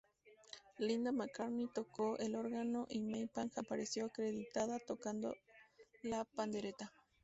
Linda McCartney tocó el órgano y May Pang apareció acreditada tocando la pandereta.